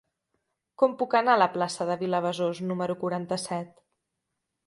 Com puc anar a la plaça de Vilabesòs número quaranta-set?